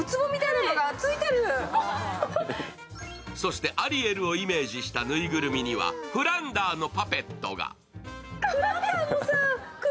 そしてアリエルをイメージしたぬいぐるみにはフランダーのパペットが。